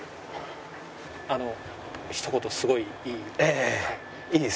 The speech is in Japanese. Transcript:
ひと言すごい「いい」。